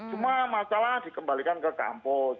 cuma masalah dikembalikan ke kampus